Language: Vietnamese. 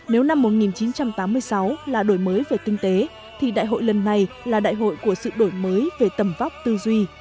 nếu năm một nghìn chín trăm tám mươi sáu là đổi mới về kinh tế thì đại hội lần này là đại hội của sự đổi mới về tầm vóc tư duy